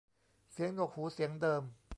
เสียงหนวกหูเสียงเดิม